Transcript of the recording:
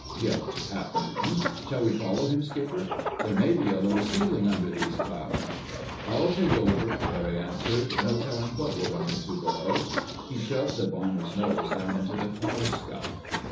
yelped Hap Newton. "Shall we follow him, Skipper? There may be a low ceiling under these clouds." "I'll take over," Barry answered. "No telling what we'll run into below!" He shoved the bomber's nose down into the cloud scuff.